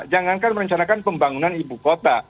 jangankan merencanakan pembangunan ibu kota